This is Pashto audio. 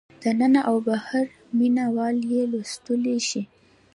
دننه او بهر مینه وال یې لوستلی شي.